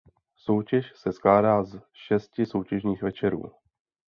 Soutěž se skládá z šesti soutěžních večerů.